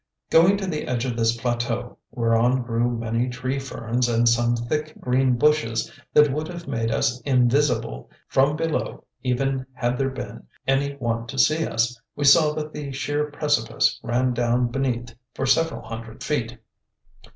Going to the edge of this plateau, whereon grew many tree ferns and some thick green bushes that would have made us invisible from below even had there been any one to see us, we saw that the sheer precipice ran down beneath for several hundred feet.